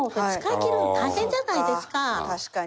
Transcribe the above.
確かに。